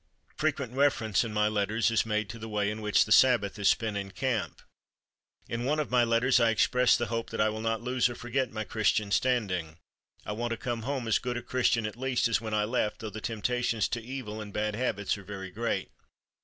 Frequent reference in my letters is made to the way in which the Sabbath is spent in camp. In one of my letters I express the hope that "I will not lose or forget my Christian standing. I want to come home as good a Christian at least as when I left, though the temptations to evil and bad habits are very great."